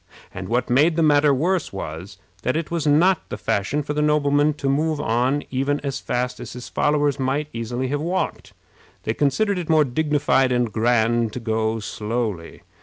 And what made the matter worse was, that it was not the fashion for the nobleman to move on even as fast as his followers might easily have walked. They considered it more dignified and grand to go slowly.